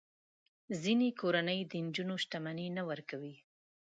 د ځینو کورنیو د نجونو شتمني نه ورکوي.